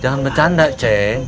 jangan bercanda ceng